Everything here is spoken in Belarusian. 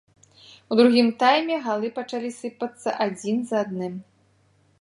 У другім тайме галы пачалі сыпацца адзін за адным.